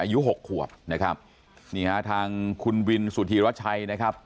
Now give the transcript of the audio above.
หกขวบนะครับนี่ฮะทางคุณวินสุธีรชัยนะครับ